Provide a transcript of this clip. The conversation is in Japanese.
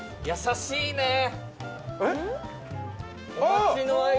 優しいね。